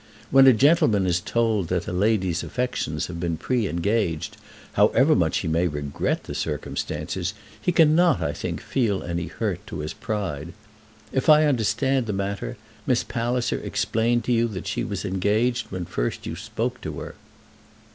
When a gentleman is told that a lady's affections have been pre engaged, however much he may regret the circumstances, he cannot, I think, feel any hurt to his pride. If I understand the matter, Miss Palliser explained to you that she was engaged when first you spoke to her."